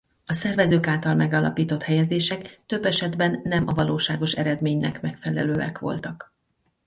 A szervezők által megállapított helyezések több esetben nem a valóságos eredménynek megfelelőek voltak.